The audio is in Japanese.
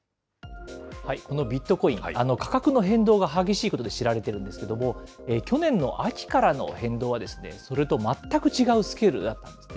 このビットコイン、価格の変動が激しいことで知られているんですけれども、去年の秋からの変動は、それと全く違うスケールだったんですね。